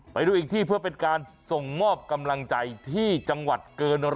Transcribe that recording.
ไปดูอีกที่เพื่อเป็นการส่งมอบกำลังใจที่จังหวัดเกิน๑๐๐